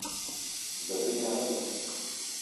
Dobrý ráno.